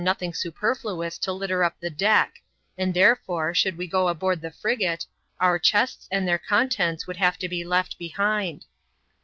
nothing superfluous to litter up the deck; and therefore, should we go aboard the frigate, our chests and their contents would have to be left behind.